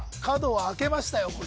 角を開けましたよ